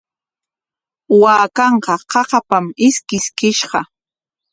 Waakanqa qaqapam ishkiskishqa.